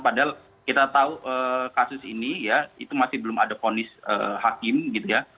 padahal kita tahu kasus ini ya itu masih belum ada ponis hakim gitu ya